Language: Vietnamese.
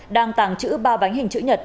đang tàng chữ ba bánh hình chữ nhật